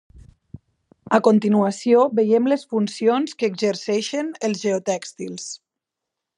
A continuació veiem les funcions que exerceixen els geotèxtils.